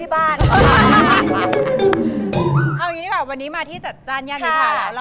เอาอย่างนี้ดีกว่าวันนี้มาที่จัดจ้านย่านวิทาแล้ว